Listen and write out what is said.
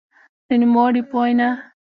د نوموړي په وینا؛